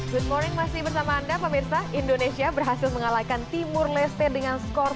good morning masih bersama anda pemirsa indonesia berhasil mengalahkan timur leste dengan skor dua